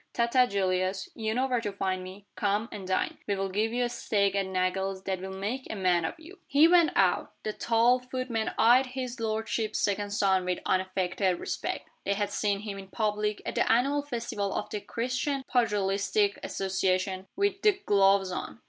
Ta ta, Julius. You know where to find me. Come, and dine. We'll give you a steak at Nagle's that will make a man of you." He went out. The tall footmen eyed his lordship's second son with unaffected respect. They had seen him, in public, at the annual festival of the Christian Pugilistic Association, with "the gloves" on.